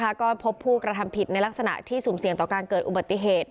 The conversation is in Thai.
ก็พบผู้กระทำผิดในลักษณะที่สุ่มเสี่ยงต่อการเกิดอุบัติเหตุ